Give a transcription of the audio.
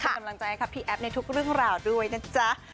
เป็นกำลังใจให้กับพี่แอฟในทุกเรื่องราวด้วยนะจ๊ะ